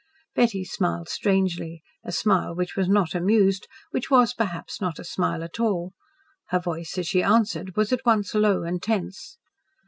Betty smiled strangely a smile which was not amused which was perhaps not a smile at all. Her voice as she answered was at once low and tense.